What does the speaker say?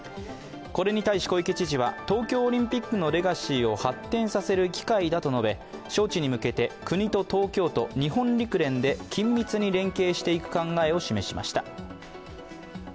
これに対し小池知事は東京オリンピックのレガシーを発展させる機会だと述べ招致に向けて国と東京都日本陸連で緊密に連携していく考えを示しました。